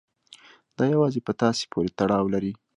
دا يوازې په تاسې پورې تړاو لري.